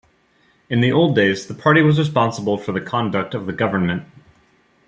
In the old days, the party was responsible for the conduct of government.